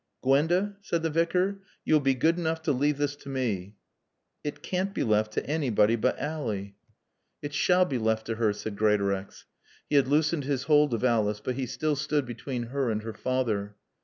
"Gwenda," said the Vicar, "you will be good enough to leave this to me." "It can't be left to anybody but Ally." "It s'all be laft to her," said Greatorex. He had loosened his hold of Alice, but he still stood between her and her father.